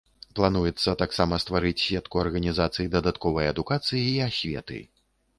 Плануецца таксама стварыць сетку арганізацый дадатковай адукацыі і асветы.